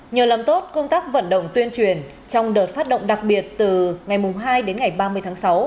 nhờ làm tốt công tác vận động tuyên truyền trong đợt phát động đặc biệt từ ngày hai đến ngày ba mươi tháng sáu